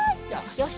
よし。